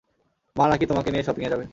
মা না-কি তোমাকে নিয়ে শপিং এ যাবে।